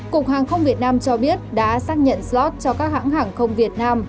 cục hàng không việt nam cho biết đã xác nhận slot cho các hãng hàng không việt nam